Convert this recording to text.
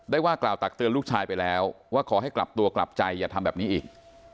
ว่ากล่าวตักเตือนลูกชายไปแล้วว่าขอให้กลับตัวกลับใจอย่าทำแบบนี้อีก